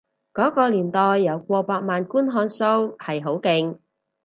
嗰個年代有過百萬觀看數係好勁